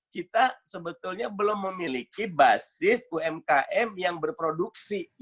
kita sebetulnya belum memiliki basis umkm yang berproduksi